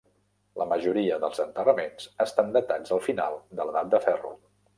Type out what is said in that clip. La majoria dels enterraments estan datats al final de l"edat de ferro.